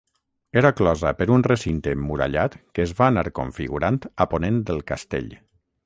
Era closa per un recinte emmurallat que es va anar configurant a ponent del castell.